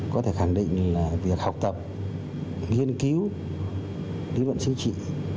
có thể khẳng định là việc học tập nghiên cứu lý luận chính trị